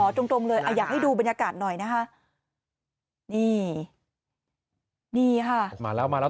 ตรงตรงเลยอ่ะอยากให้ดูบรรยากาศหน่อยนะคะนี่นี่ค่ะออกมาแล้วมาแล้ว